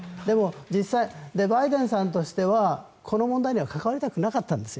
実際、バイデンさんとしてはこの問題には関わりたくなかったんです。